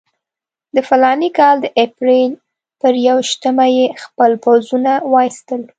د فلاني کال د اپرېل پر یوویشتمه یې خپل پوځونه وایستل.